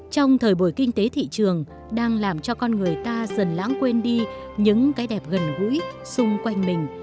trong thời buổi kinh tế thị trường đang làm cho con người ta dần lãng quên đi những cái đẹp gần gũi xung quanh mình